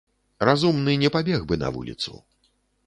Разумны не пабег бы на вуліцу.